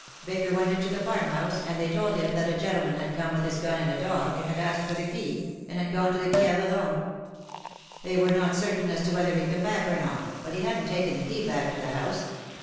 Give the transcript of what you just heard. Baker went into the farmhouse, and they told him that a gentleman had come with his gun and a dog, and had asked for the key, and had gone to the Kieve alone. They were not certain as to whether heM come back or not, but he hadn^t taken the key back to the house.